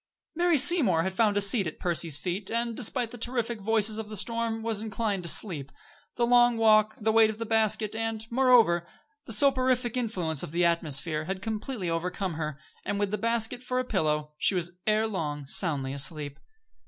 Mary Seymour had found a seat at Percy's feet, and, despite the terrific voices of the storm, was inclined to sleep. The long walk, the weight of the basket, and, moreover, the soporific influence of the atmosphere, had completely overcome her, and, with the basket for a pillow, she was ere long soundly asleep.